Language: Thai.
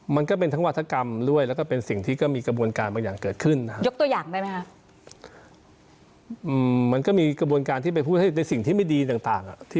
มันก็มีกระบวนการที่ไปพูดให้ในสิ่งที่ไม่ดีต่าง